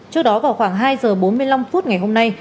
trước đó vào khoảng hai giờ bốn mươi năm phút ngày hôm nay